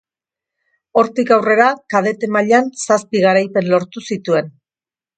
Hortik aurrera, kadete mailan zazpi garaipen lortu zituen.